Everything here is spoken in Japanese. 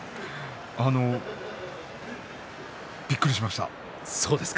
びっくりしました。